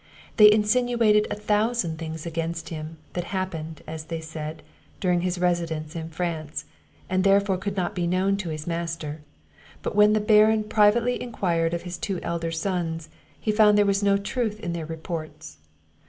They insinuated a thousand things against him, that happened, as they said, during his residence in France, and therefore could not be known to his master; but when the Baron privately enquired of his two elder sons, he found there was no truth in their reports.